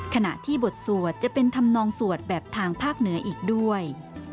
ขณะที่บทสวดจะเป็นธรรมนองสวดแบบทางภาคเหนืออีกด้วย